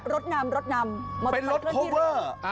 รถนำเป็นรถโฮเวอร์